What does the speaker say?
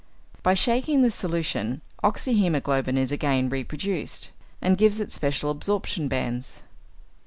By shaking the solution, oxyhæmoglobin is again reproduced, and gives its special absorption bands.